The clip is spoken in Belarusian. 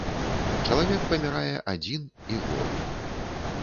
Чалавек памірае адзін і голы.